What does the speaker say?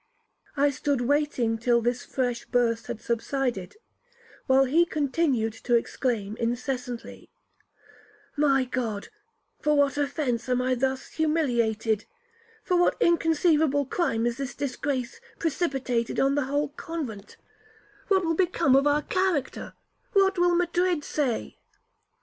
I stood waiting till this fresh burst had subsided, while he continued to exclaim incessantly, 'My God, for what offence am I thus humiliated?—for what inconceivable crime is this disgrace precipitated on the whole convent? What will become of our character? What will all Madrid say?'